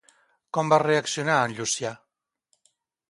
Com va reaccionar en Llucià?